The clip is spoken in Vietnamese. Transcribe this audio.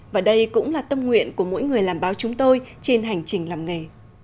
và đây cũng là tâm nguyện của mỗi người làm báo chúng tôi trên hành trình làm nghề